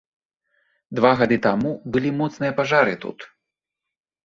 Два гады таму былі моцныя пажары тут.